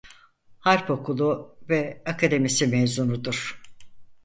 Harp Okulu ve Akademisi mezunudur.